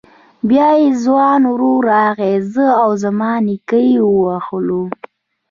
بيا يې ځوان ورور راغی زه او زما نيکه يې ووهلو.